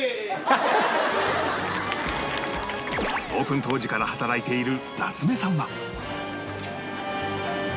オープン当時から働いている夏目さんは